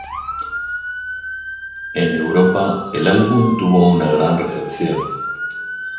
En Europa, el álbum tuvo una gran recepción.